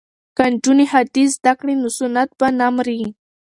که نجونې حدیث زده کړي نو سنت به نه مري.